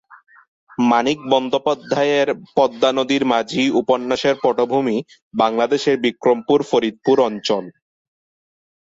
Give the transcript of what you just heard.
মানিক বন্দ্যোপাধ্যায়ের পদ্মা নদীর মাঝি উপন্যাসের পটভূমি বাংলাদেশের বিক্রমপুর-ফরিদপুর অঞ্চল।